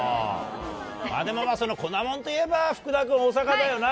でもまあ、粉もんといえば、福田君、大阪だよな。